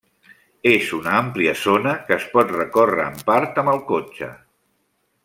És una àmplia zona que es pot recórrer en part amb el cotxe.